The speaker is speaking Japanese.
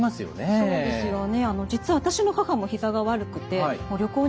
そうですね。